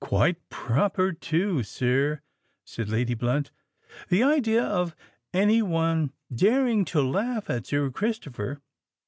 "Quite proper too, sir," said Lady Blunt. "The idea of any one daring to laugh at Sir Christopher!